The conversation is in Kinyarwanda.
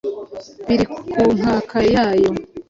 biri ku nkaka yayo